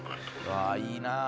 わあいいな。